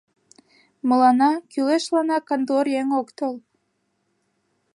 Мыланна кӱлешланак кантор еҥ ок тол.